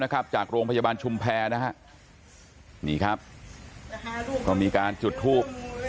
จากโรงพยาบาลชุมแพรนะฮะนี่ครับก็มีการจุดทูบ